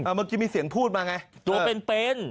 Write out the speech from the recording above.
เมื่อกี้มีเสียงพูดมาไงตัวเป็น